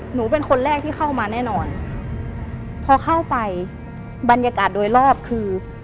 หนูเป็นคนแรกที่เข้ามาแน่นอนพอเข้าไปบรรยากาศโดยรอบคือ